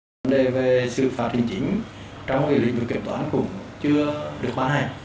vấn đề về sự phạt hình chính trong lĩnh vực kiểm toán cũng chưa được ban hành